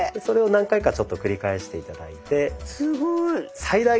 それを何回かちょっと繰り返して頂いて。